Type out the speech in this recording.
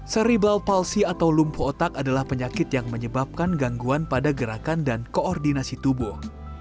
seribal palsi atau lumpuh otak adalah penyakit yang menyebabkan gangguan pada gerakan dan koordinasi tubuh